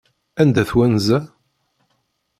Anda-t wanza?